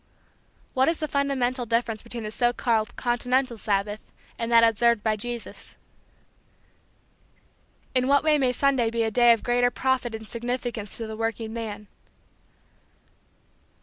What is the fundamental difference between the so called "Continental Sabbath" and that observed by Jesus? In what way may Sunday be made a day of greater profit and significance to the working man?